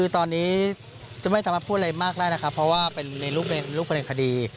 ตอนนี้ไม่สามารถพูดอะไรมากได้นะคะเพราะว่ามีรูปในคดี